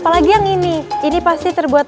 aku harus buat